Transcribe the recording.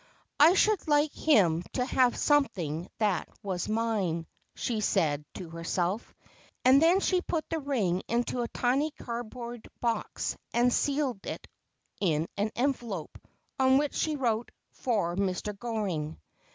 ' I should like him to have something that was mine,' she said to herself ; and then she put the ring into a tiny cardboard box, and sealed it in an envelope, on which she wrote :' For Mr. Goring.'